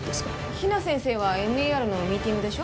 比奈先生はＭＥＲのミーティングでしょ